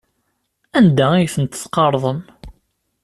Anda ay tent-tqerḍem?